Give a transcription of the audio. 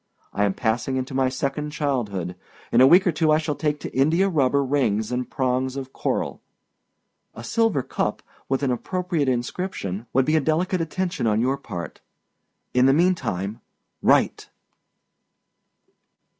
I am passing into my second childhood. In a week or two I shall take to India rubber rings and prongs of coral. A silver cup, with an appropriate inscription, would be a delicate attention on your part. In the mean time, write!